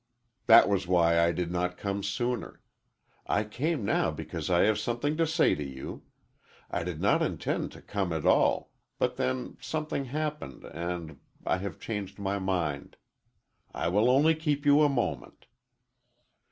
That was why I did not come sooner. I came now because I have something to say to you. I did not intend to come at all, but then something happened and I have changed my mind. I will only keep you a moment."